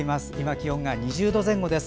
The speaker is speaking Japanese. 気温が２０度前後です。